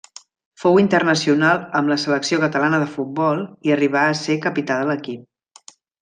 Fou internacional amb la selecció Catalana de Futbol, i arribà a ser capità de l'equip.